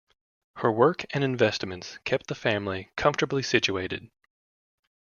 Her work and investments kept the family comfortably situated.